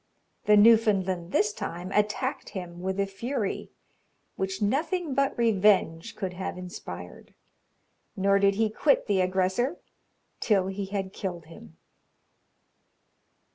The Newfoundland this time attacked him with a fury, which nothing but revenge could have inspired, nor did he quit the aggressor till he had killed him.